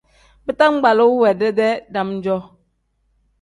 Bitangbaluu we dedee dam-jo.